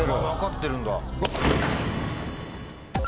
分かってるんだ。